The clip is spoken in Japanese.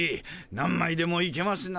何ばいでもいけますなあ。